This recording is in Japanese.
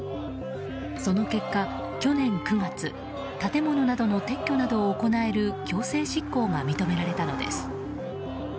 その結果、去年９月建物などの撤去を行える強制執行が認められたのです。